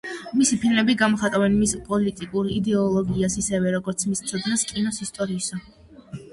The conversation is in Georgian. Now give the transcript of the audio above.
მისი ფილმები გამოხატავენ მის პოლიტიკურ იდეოლოგიას ისევე როგორც მის ცოდნას კინოს ისტორიისა.